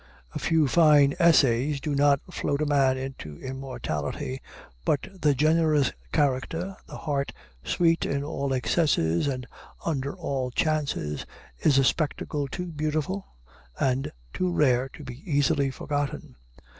A few fine essays do not float a man into immortality, but the generous character, the heart sweet in all excesses and under all chances, is a spectacle too beautiful and too rare to be easily forgotten.